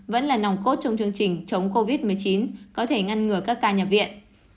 vẫn là nòng cốt trong chương trình chống covid một mươi chín có thể ngăn ngừa các ca nhập viện